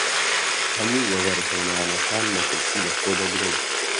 هەموو وەبەرهێنانەکان مەترسی لەخۆ دەگرن.